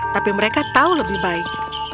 tapi mereka tahu lebih baik